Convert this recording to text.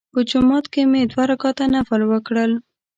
په جومات کې مې دوه رکعته نفل وکړل.